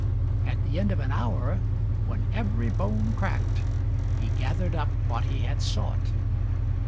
At the end of an hour, when every bone cracked, He gathered up what he had sought.